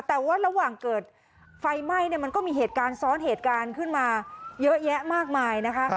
แต่ว่าระหว่างเกิดไฟไหม้เนี่ยมันก็มีเหตุการณ์ซ้อนเหตุการณ์ขึ้นมาเยอะแยะมากมายนะคะ